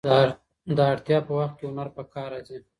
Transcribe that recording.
د اړتیا په وخت کې هنر په کار راځي.